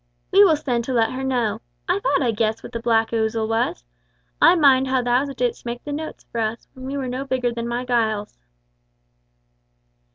"We will send to let her know. I thought I guessed what black ouzel 'twas! I mind how thou didst make the like notes for us when we were no bigger than my Giles!"